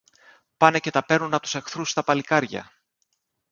πάνε και τα παίρνουν από τους εχθρούς τα παλικάρια